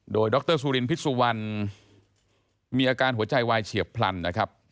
โดยดรสุรินพิษสุวรรณมีอาการหัวใจวายเฉียบพลันนะครับ